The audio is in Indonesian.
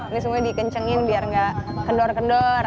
ini semua dikencengin biar gak kendor kendor